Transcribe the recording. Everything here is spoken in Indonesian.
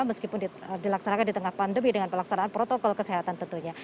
meskipun dilaksanakan di tengah pandemi dengan pelaksanaan protokol kesehatan tentunya